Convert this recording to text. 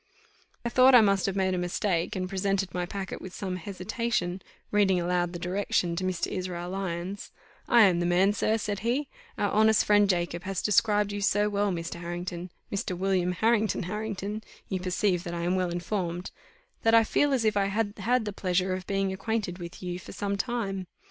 I thought I must have made a mistake, and presented my packet with some hesitation, reading aloud the direction to Mr. Israel Lyons "I am the man, sir," said he; "our honest friend Jacob has described you so well, Mr. Harrington Mr. William Harrington Harrington (you perceive that I am well informed) that I feel as if I had had the pleasure of being acquainted with you for some time.